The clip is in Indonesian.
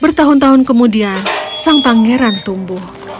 bertahun tahun kemudian sang pangeran tumbuh